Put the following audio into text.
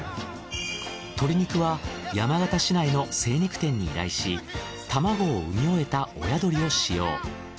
鶏肉は山形市内の精肉店に依頼し卵を産み終えた親鳥を使用。